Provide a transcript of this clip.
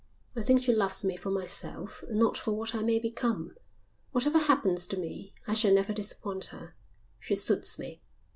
I think she loves me for myself and not for what I may become. Whatever happens to me I shall never disappoint her. She suits me."